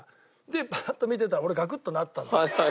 でパッと見てたら俺ガクッとなったのよ。